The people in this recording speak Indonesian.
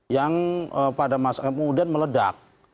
yang pada masa kemudian meledak